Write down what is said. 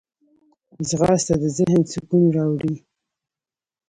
ځغاسته د ذهن سکون راوړي